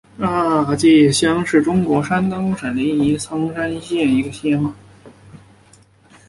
二庙乡是中国山东省临沂市苍山县下辖的一个乡。